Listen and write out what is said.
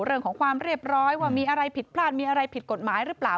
เรื่องของความเรียบร้อยว่ามีอะไรผิดพลาดมีอะไรผิดกฎหมายหรือเปล่า